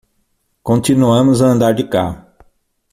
Continuamos a andar de carro